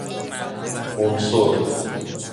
عنصر